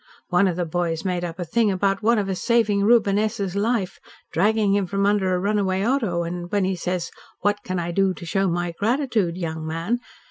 One of the boys made up a thing about one of us saving Reuben S.'s life dragging him from under a runaway auto and, when he says, 'What can I do to show my gratitude, young man?'